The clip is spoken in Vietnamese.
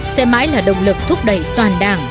sẽ mãi là động lực thúc đẩy toàn đảng